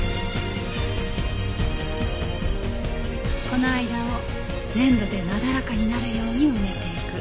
この間を粘土でなだらかになるように埋めていく。